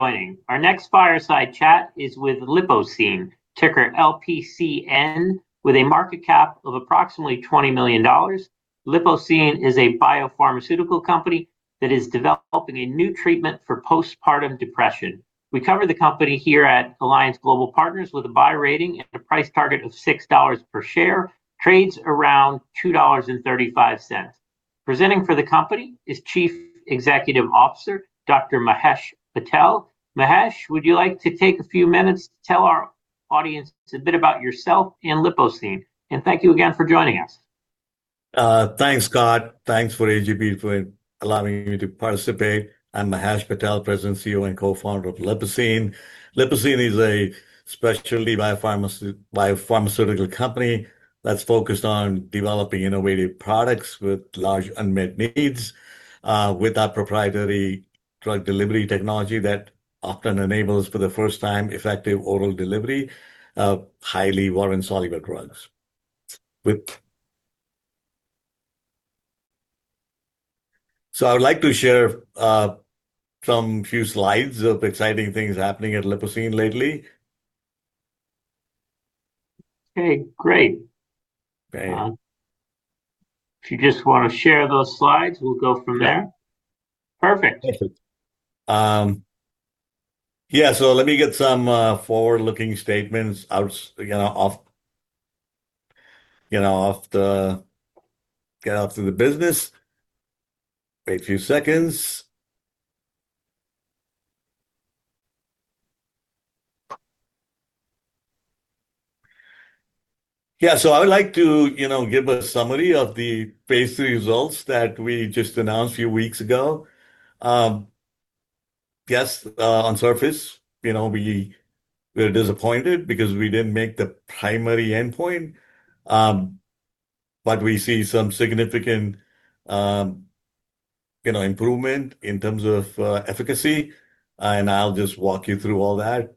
Our next fireside chat is with Lipocine, ticker LPCN, with a market cap of approximately $20 million. Lipocine is a biopharmaceutical company that is developing a new treatment for postpartum depression. We cover the company here at Alliance Global Partners with a buy rating and a price target of $6 per share. Trades around $2.35. Presenting for the company is Chief Executive Officer, Dr. Mahesh Patel. Mahesh, would you like to take a few minutes to tell our audience a bit about yourself and Lipocine? Thank you again for joining us. Thanks, Scott. Thanks for A.G.P. for allowing me to participate. I'm Mahesh Patel, President, CEO, and co-founder of Lipocine. Lipocine is a specialty biopharmaceutical company that's focused on developing innovative products with large unmet needs, with our proprietary drug delivery technology that often enables, for the first time, effective oral delivery of highly water-insoluble drugs. I would like to share some few slides of exciting things happening at Lipocine lately. Okay, great. Okay. If you just want to share those slides, we'll go from there. Perfect. Perfect. Let me get some forward-looking statements get out through the business. Wait a few seconds. I would like to give a summary of the phase III results that we just announced a few weeks ago. On surface, we're disappointed because we didn't make the primary endpoint. We see some significant improvement in terms of efficacy, and I'll just walk you through all that.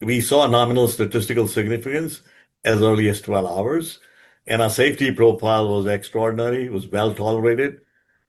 We saw a nominal statistical significance as early as 12 hours, and our safety profile was extraordinary. It was well-tolerated.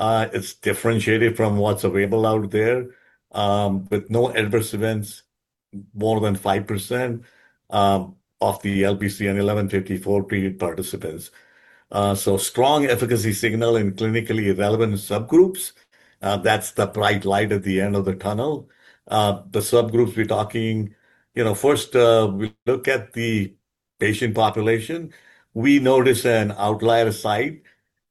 It's differentiated from what's available out there, with no adverse events more than 5% of the LPCN 1154 treated participants. Strong efficacy signal in clinically relevant subgroups. That's the bright light at the end of the tunnel. The subgroups we're talking, first we look at the patient population. We notice an outlier site,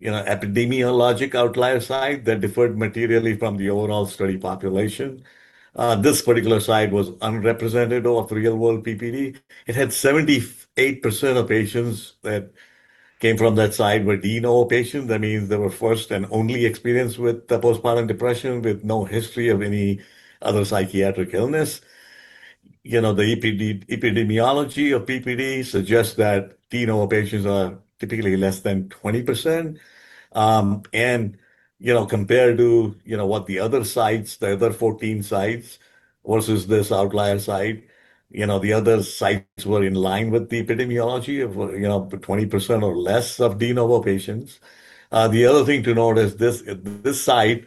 epidemiologic outlier site, that differed materially from the overall study population. This particular site was unrepresentative of real world PPD. It had 78% of patients that came from that site were de novo patients. That means they were first and only experience with the postpartum depression, with no history of any other psychiatric illness. The epidemiology of PPD suggests that de novo patients are typically less than 20%. Compared to what the other sites, the other 14 sites versus this outlier site, the other sites were in line with the epidemiology of 20% or less of de novo patients. The other thing to note is this site,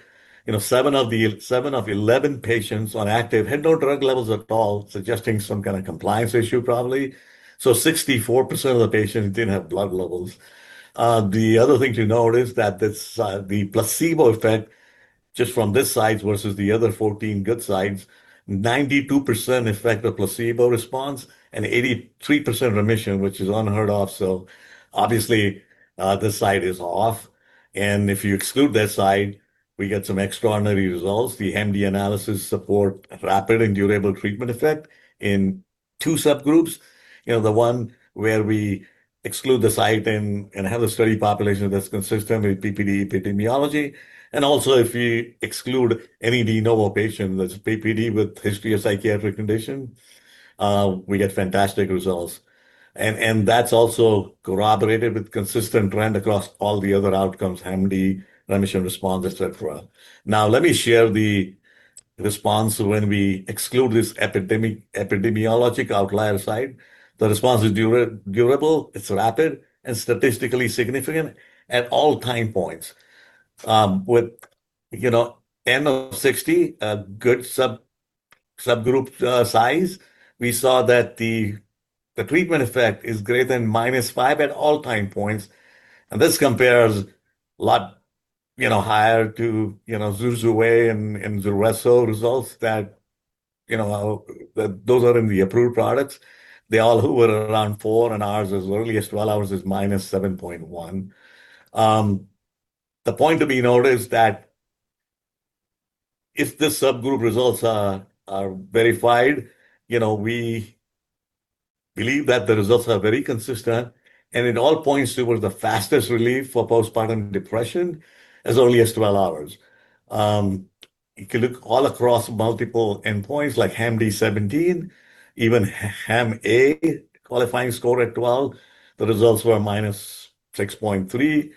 seven of 11 patients on active had no drug levels at all, suggesting some kind of compliance issue, probably. 64% of the patients didn't have blood levels. The other thing to note is that the placebo effect just from this site versus the other 14 good sites, 92% effective placebo response and 83% remission, which is unheard of. Obviously, this site is off. If you exclude that site, we get some extraordinary results. The HAM-D analysis support rapid and durable treatment effect in two subgroups. The one where we exclude the site and have a study population that's consistent with PPD epidemiology. Also, if we exclude any de novo patient that's PPD with history of psychiatric condition, we get fantastic results. That's also corroborated with consistent trend across all the other outcomes, HAM-D, remission response, et cetera. Now, let me share the response when we exclude this epidemiologic outlier site. The response is durable, it's rapid, and statistically significant at all time points. With N of 60, a good subgroup size, we saw that the treatment effect is greater than minus five at all time points. This compares a lot higher to ZURZUVAE and ZULRESSO results that those are in the approved products. They all were around four, and ours, as early as 12 hours, is -7.1. The point to be noted is that if the subgroup results are verified, we believe that the results are very consistent and it all points toward the fastest relief for postpartum depression as early as 12 hours. You can look all across multiple endpoints, like HAM-D 17, even HAM-A qualifying score at 12, the results were -6.3.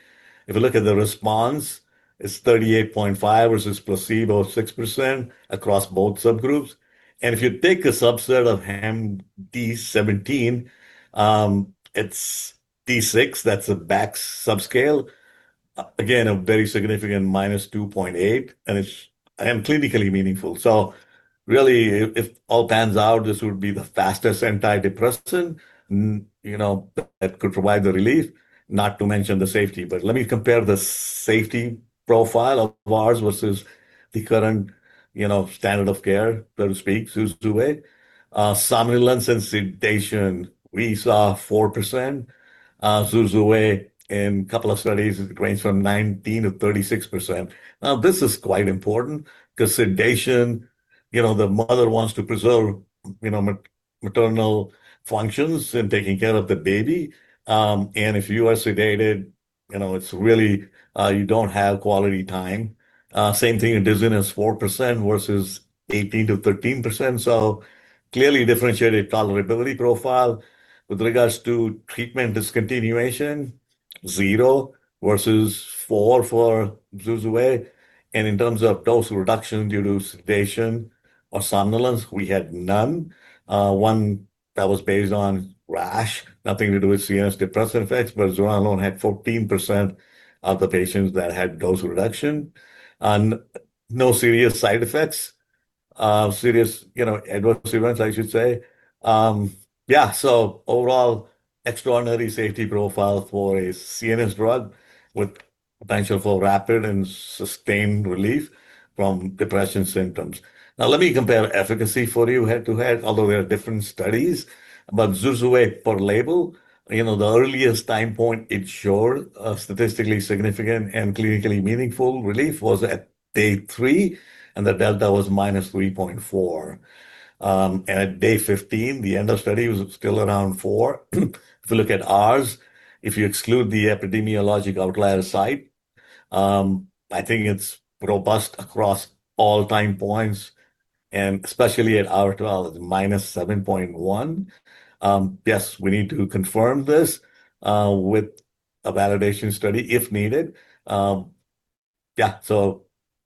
If you look at the response, it's 38.5% versus placebo 6% across both subgroups. If you take a subset of HAM-D 17, it's D6, that's a Bech subscale. Again, a very significant -2.8, and it's clinically meaningful. Really, if all pans out, this would be the fastest antidepressant that could provide the relief, not to mention the safety. Let me compare the safety profile of ours versus the current standard of care, so to speak, ZURZUVAE. Somnolence and sedation, we saw 4%, ZURZUVAE in a couple of studies, it ranges from 19%-36%. This is quite important because sedation, the mother wants to preserve maternal functions in taking care of the baby. If you are sedated, it's really, you don't have quality time. Same thing, dizziness, 4% versus 18%-13%. Clearly differentiated tolerability profile. With regards to treatment discontinuation, zero versus four for ZURZUVAE. In terms of dose reduction due to sedation or somnolence, we had none. One that was based on rash, nothing to do with CNS depressant effects. ZURZUVAE alone had 14% of the patients that had dose reduction. No serious side effects. Serious adverse events, I should say. Yeah. Overall, extraordinary safety profile for a CNS drug with potential for rapid and sustained relief from depression symptoms. Now, let me compare efficacy for you head-to-head, although they are different studies, but ZURZUVAE per label. The earliest time point it showed a statistically significant and clinically meaningful relief was at day three, and the delta was -3.4. At day 15, the end of study, it was still around four. If you look at ours, if you exclude the epidemiologic outlier site, I think it's robust across all time points and especially at hour 12, the -7.1. Yes, we need to confirm this with a validation study if needed. Yeah.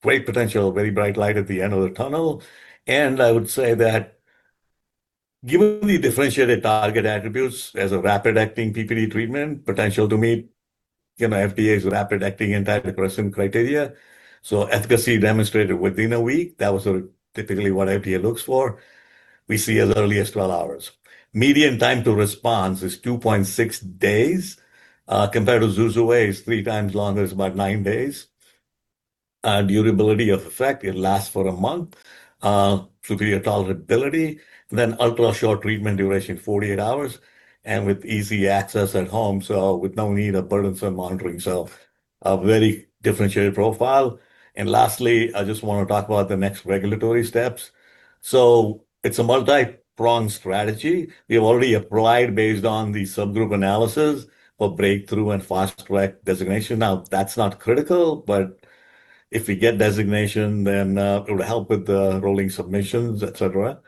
Great potential, very bright light at the end of the tunnel. I would say that given the differentiated target attributes as a rapid-acting PPD treatment, potential to meet FDA's rapid-acting antidepressant criteria. Efficacy demonstrated within one week. That was sort of typically what FDA looks for. We see as early as 12 hours. Median time to response is 2.6 days, compared to ZURZUVAE's three times longer, it's about nine days. Durability of effect, it lasts for one month. Superior tolerability. Ultra-short treatment duration, 48 hours. With easy access at home, so with no need of burdensome monitoring. A very differentiated profile. Lastly, I just want to talk about the next regulatory steps. It's a multi-pronged strategy. We have already applied based on the subgroup analysis for breakthrough and fast track designation. That's not critical, but if we get designation, then it will help with the rolling submissions, et cetera.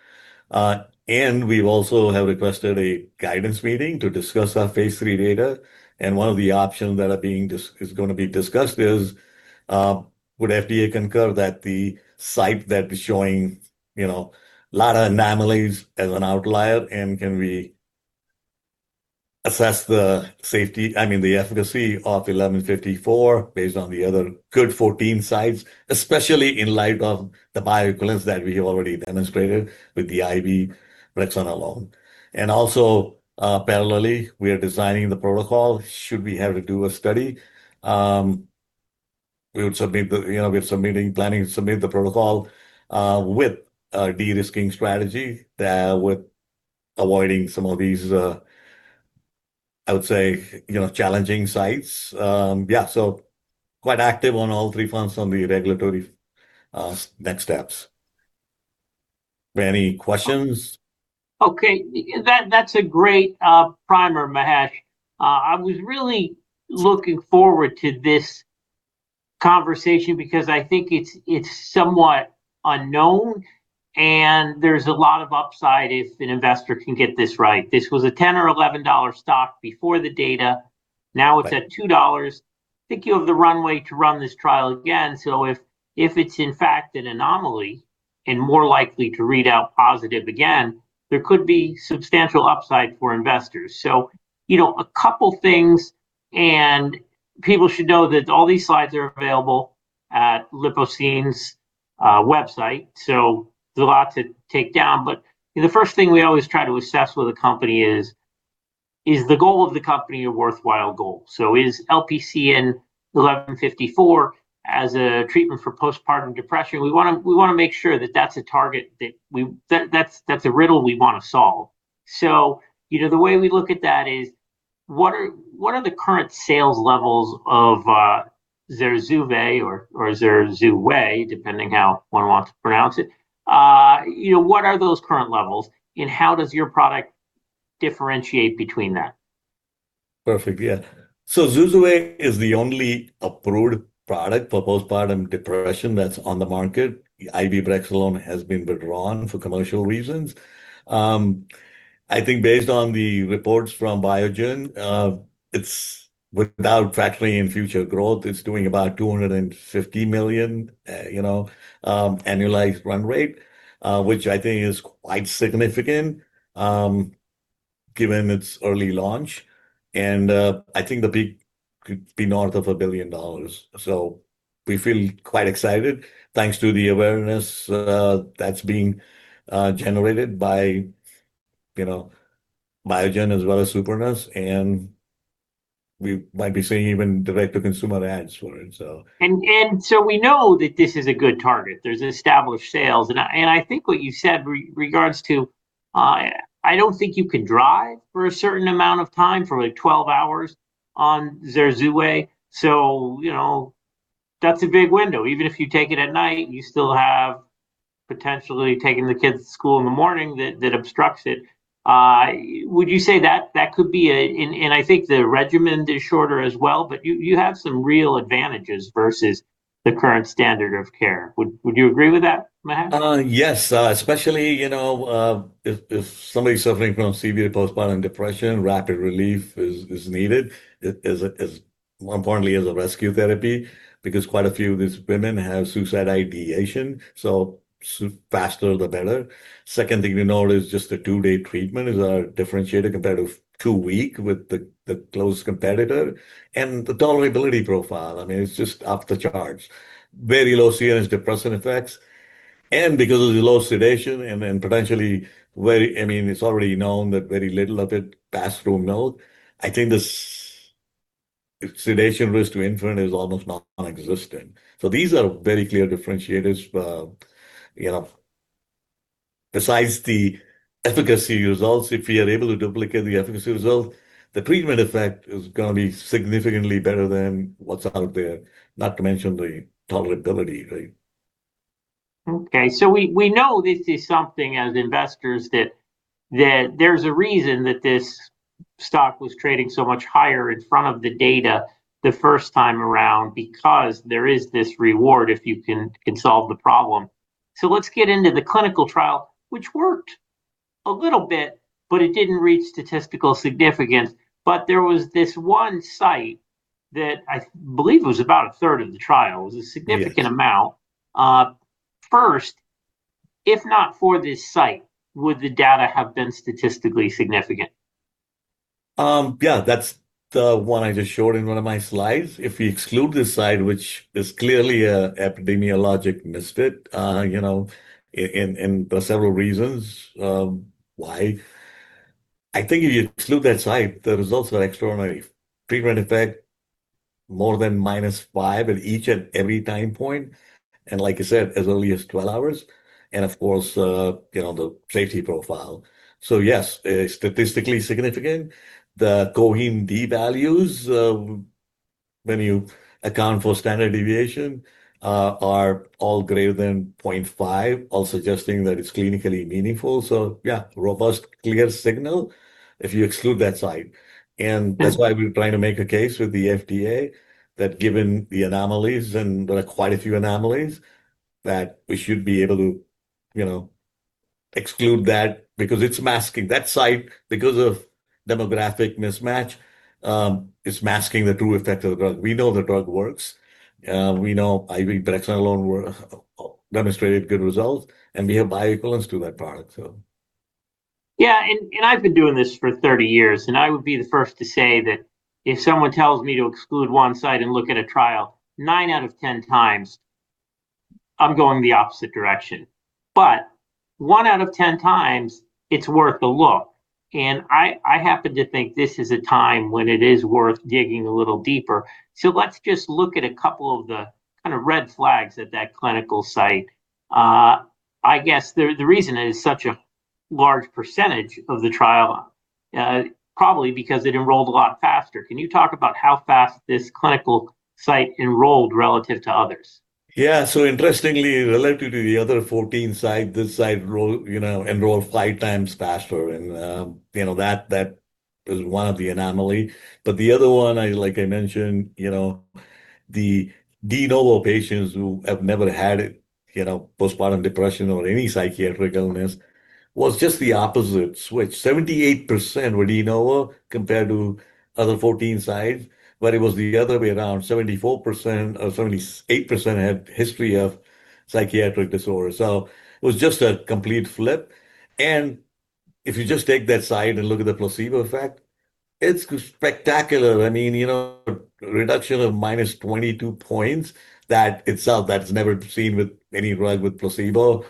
We've also have requested a guidance meeting to discuss our phase III data. One of the options that is going to be discussed is, would FDA concur that the site that is showing a lot of anomalies as an outlier, and can we assess the safety, I mean the efficacy of LPCN 1154 based on the other good 14 sites, especially in light of the bioequivalence that we have already demonstrated with the IV brexanolone. Also, parallelly, we are designing the protocol should we have to do a study. We're planning to submit the protocol with a de-risking strategy that with avoiding some of these, I would say, challenging sites. Yeah. Quite active on all three fronts on the regulatory next steps. Any questions? Okay. That's a great primer, Mahesh. I was really looking forward to this conversation because I think it's somewhat unknown, and there's a lot of upside if an investor can get this right. This was a $10 or $11 stock before the data. Now it's at $2. Thinking of the runway to run this trial again. If it's in fact an anomaly and more likely to read out positive again, there could be substantial upside for investors. A couple things, and people should know that all these slides are available at Lipocine's website. There's a lot to take down. The first thing we always try to assess with a company is the goal of the company a worthwhile goal? Is LPCN 1154 as a treatment for postpartum depression? We want to make sure that that's a target, that's a riddle we want to solve. The way we look at that is, what are the current sales levels of ZURZUVAE or ZURZUVAE, depending how one wants to pronounce it. What are those current levels, how does your product differentiate between that? Perfect. Yeah. ZURZUVAE is the only approved product for postpartum depression that's on the market. IV brexanolone has been withdrawn for commercial reasons. I think based on the reports from Biogen, it's without factoring in future growth, it's doing about $250 million annualized run rate, which I think is quite significant. Given its early launch, I think the peak could be north of $1 billion. We feel quite excited thanks to the awareness that's being generated by Biogen as well as Supernus, and we might be seeing even direct-to-consumer ads for it. We know that this is a good target. There's established sales, and I think what you said in regards to, I don't think you can drive for a certain amount of time, for like 12 hours, on ZURZUVAE. That's a big window. Even if you take it at night, you still have potentially taking the kids to school in the morning that obstructs it. Would you say that could be and I think the regimen is shorter as well, but you have some real advantages versus the current standard of care. Would you agree with that, Mahesh? Yes. Especially if somebody's suffering from severe postpartum depression, rapid relief is needed, importantly as a rescue therapy, because quite a few of these women have suicide ideation, faster the better. Second thing we know is just a two-day treatment is our differentiator compared to two-week with the close competitor. The tolerability profile, it's just off the charts. Very low CNS depressant effects. Because of the low sedation. It's already known that very little of it pass through milk. I think the sedation risk to infant is almost non-existent. These are very clear differentiators. Besides the efficacy results, if we are able to duplicate the efficacy result, the treatment effect is going to be significantly better than what's out there, not to mention the tolerability, right? Okay. We know this is something, as investors, that there's a reason that this stock was trading so much higher in front of the data the first time around, because there is this reward if you can solve the problem. Let's get into the clinical trial, which worked a little bit, but it didn't reach statistical significance. There was this one site that I believe was about a third of the trial- Yes. Amount. First, if not for this site, would the data have been statistically significant? Yeah, that's the one I just showed in one of my slides. If we exclude this site, which is clearly a epidemiologic misfit, in several reasons why. I think if you exclude that site, the results are extraordinary. Treatment effect more than minus five at each and every time point, like I said, as early as 12 hours. Of course, the safety profile. Yes, statistically significant. The Cohen's d values, when you account for standard deviation, are all greater than 0.5, all suggesting that it's clinically meaningful. Yeah, robust, clear signal if you exclude that site. That's why we're trying to make a case with the FDA that given the anomalies, and there are quite a few anomalies, that we should be able to exclude that, because it's masking. That site, because of demographic mismatch, is masking the true effect of the drug. We know the drug works. We know IV brexanolone demonstrated good results, and we have bioequivalence to that product. Yeah. I've been doing this for 30 years, and I would be the first to say that if someone tells me to exclude one site and look at a trial, nine out of 10x, I'm going the opposite direction. One out of 10x, it's worth a look. I happen to think this is a time when it is worth digging a little deeper. Let's just look at a couple of the red flags at that clinical site. I guess the reason it is such a large percentage of the trial, probably because it enrolled a lot faster. Can you talk about how fast this clinical site enrolled relative to others? Yeah. Interestingly, relative to the other 14 sites, this site enrolled five times faster, and that is one of the anomalies. The other one, like I mentioned, the de novo patients who have never had postpartum depression or any psychiatric illness was just the opposite switch. 78% were de novo compared to other 14 sites, but it was the other way around, 74% or 78% had history of psychiatric disorder. It was just a complete flip. If you just take that site and look at the placebo effect, it's spectacular. A reduction of minus 22 points, that itself, that's never seen with any drug with placebo.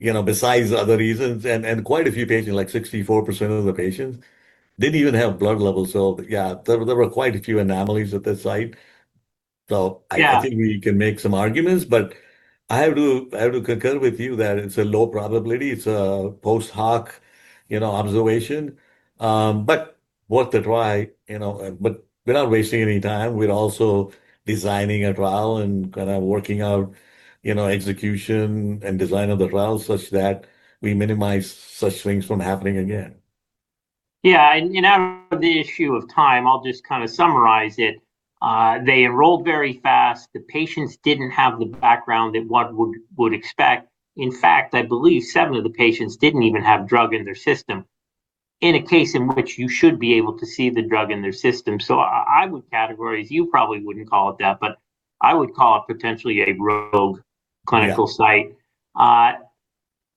Besides other reasons, and quite a few patients, like 64% of the patients, didn't even have blood levels. Yeah, there were quite a few anomalies at this site. Yeah. We can make some arguments. I have to concur with you that it's a low probability. It's a post hoc observation. It's worth a try. We're not wasting any time. We're also designing a trial and working out execution and design of the trial such that we minimize such things from happening again. Yeah. In the interest of time, I'll just summarize it. They enrolled very fast. The patients didn't have the background in what we would expect. In fact, I believe seven of the patients didn't even have drug in their system in a case in which you should be able to see the drug in their system. I would categorize, you probably wouldn't call it that, but I would call it potentially a rogue clinical site.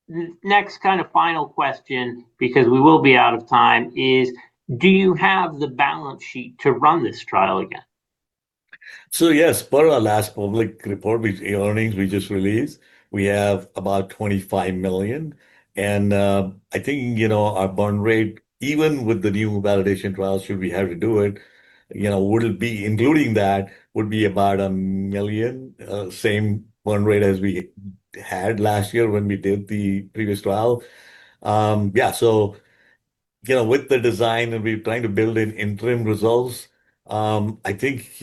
Next kind of final question, because we will be out of time, is do you have the balance sheet to run this trial again? Yes, per our last public report, which earnings we just released, we have about $25 million. I think our burn rate, even with the new validation trial, should we have to do it, including that, would be about $1 million. Same burn rate as we had last year when we did the previous trial. With the design and we're trying to build in interim results. I think,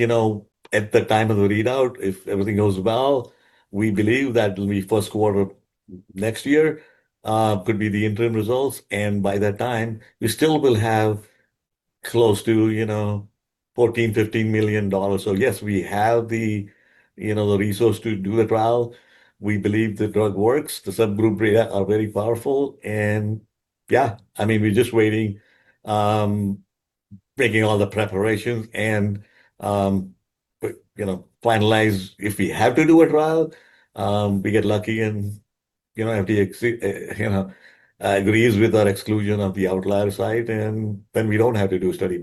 at the time of the readout, if everything goes well, we believe that will be first quarter next year could be the interim results, and by that time, we still will have close to $14 million, $15 million. Yes, we have the resource to do the trial. We believe the drug works. The subgroup data are very powerful. We're just waiting, making all the preparations, and finalize if we have to do a trial. We get lucky and FDA agrees with our exclusion of the outlier site, and then we don't have to do a study.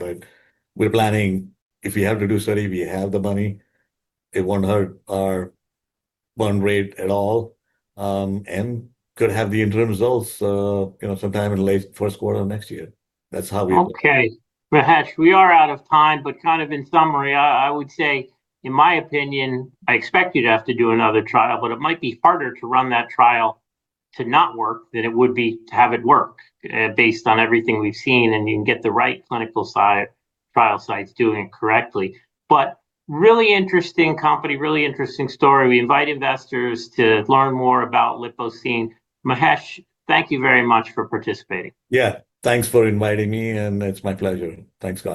We're planning if we have to do a study, we have the money. It won't hurt our burn rate at all. Could have the interim results sometime in late first quarter next year. Okay. Mahesh, we are out of time, but kind of in summary, I would say, in my opinion, I expect you to have to do another trial, but it might be harder to run that trial to not work than it would be to have it work, based on everything we've seen. You can get the right clinical trial sites doing it correctly. Really interesting company, really interesting story. We invite investors to learn more about Lipocine. Mahesh, thank you very much for participating. Yeah. Thanks for inviting me, and it's my pleasure. Thanks very much.